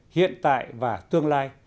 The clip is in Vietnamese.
hiện tại và tương lai